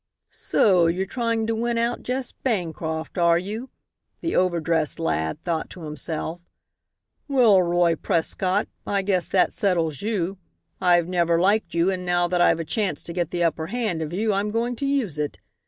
"So you're trying to win out Jess Bancroft, are you?" the over dressed lad thought to himself. "Well, Roy Prescott, I guess that settles you. I've never liked you, and now that I've a chance to get the upper hand of you I'm going to use it.